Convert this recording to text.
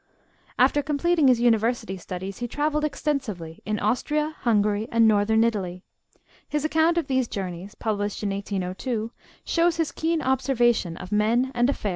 After completing his university studies he traveled extensively in Austria, Hungary, and Northern Italy. His account of these journeys, published in 1802, shows his keen observation of men and affairs.